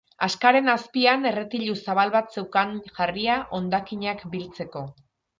Askaren azpian, erretilu zabal bat zeukan jarria hondakinak biltzeko.